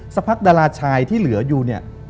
สักพักดาราชายที่เหลืออยู่เนี่ย